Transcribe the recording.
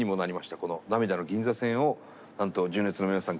この「涙の銀座線」をなんと純烈の皆さん